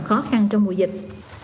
khó khăn trong mùa dịch